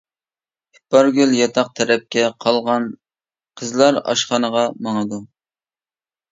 ئىپارگۈل ياتاق تەرەپكە، قالغان قىزلار ئاشخانىغا ماڭىدۇ.